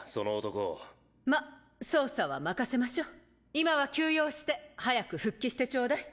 今は休養して早く復帰してちょうだい。。